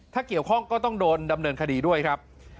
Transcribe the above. ถ้าเกี่ยวข้องก็ต้องโดนดำเนินคดีด้วยครับ